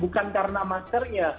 bukan karena maskernya